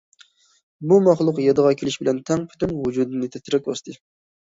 بۇ مەخلۇق يادىغا كېلىش بىلەن تەڭ پۈتۈن ۋۇجۇدىنى تىترەك باستى.